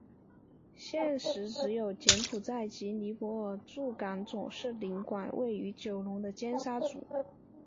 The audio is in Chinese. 现时只有柬埔寨及尼泊尔驻港总领事馆位于九龙的尖沙咀。